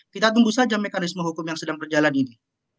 kita tunggu saja mekanisme hukum yang sedang berjalan ini